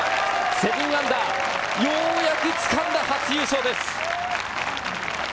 −７、ようやくつかんだ初優勝です！